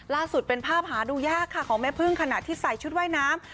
ล่าสุดเป็นภาพหาดูยากค่ะของแม่พึ่งขณะที่ใส่ชุดว่ายน้ำ